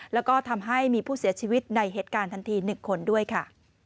แล้วก็ทำให้มีผู้เสียชีวิตในเหตุการณ์ทันที๑คนด้วยค่ะ